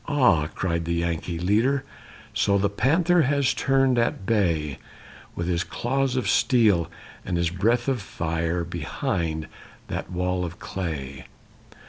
"Aha!" cried the Yankee leader, "So the panther has turned at bay With his claws of steel and his breath of fire Behind that wall of clay!